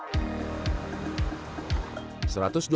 ya segitu dong